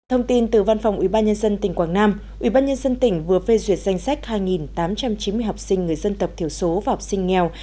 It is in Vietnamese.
thông tin từ văn phòng ubnd tỉnh quảng nam ubnd tỉnh vừa phê duyệt danh sách hai tám trăm chín mươi học sinh người dân tập thiểu số và học sinh nghèo